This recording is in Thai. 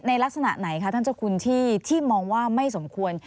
ลักษณะไหนคะท่านเจ้าคุณที่มองว่าไม่สมควร